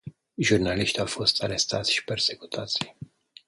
Jurnaliști au fost arestați și persecutați.